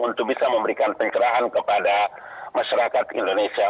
untuk bisa memberikan pencerahan kepada masyarakat indonesia